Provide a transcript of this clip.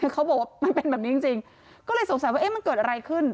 คือเขาบอกว่ามันเป็นแบบนี้จริงก็เลยสงสัยว่าเอ๊ะมันเกิดอะไรขึ้น